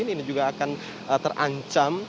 ini juga akan terancam